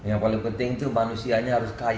yang paling penting itu manusianya harus kaya